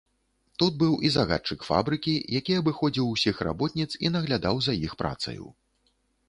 Тут быў і загадчык фабрыкі, які абыходзіў усіх работніц і наглядаў за іх працаю.